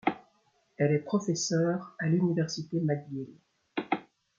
Elle est professeure à l'Université McGill.